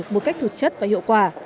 một cách thực chất và hiệu quả